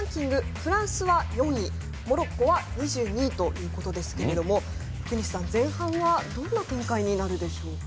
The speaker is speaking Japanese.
フランスは４位モロッコは２２位ということですが前半はどんな展開になるでしょうか？